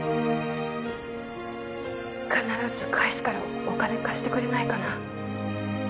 必ず返すからお金貸してくれないかな